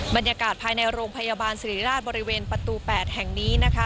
บรรยากาศภายในโรงพยาบาลสิริราชบริเวณประตู๘แห่งนี้นะคะ